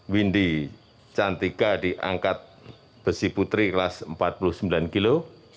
windi cantika di angkat besi putri kelas empat puluh sembilan kilo